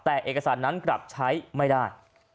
แต่เอกสารนั้นกลับใช้ไม่ได้